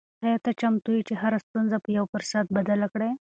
آیا ته چمتو یې چې هره ستونزه په یو فرصت بدله کړې؟